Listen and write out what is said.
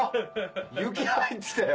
雪入ってきたよ！